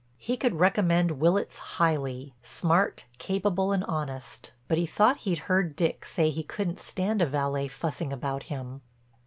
He could recommend Willitts highly, smart, capable and honest, but he thought he'd heard Dick say he couldn't stand a valet fussing about him.